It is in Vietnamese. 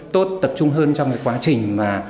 tốt tập trung hơn trong quá trình